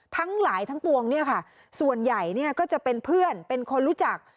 ทั้งหลายทั้งปวงเนี่ยค่ะส่วนใหญ่เนี่ยก็จะเป็นเพื่อนเป็นคนรู้จัก